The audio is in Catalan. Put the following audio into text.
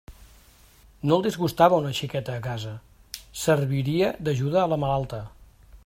No el disgustava una xiqueta a casa; serviria d'ajuda a la malalta.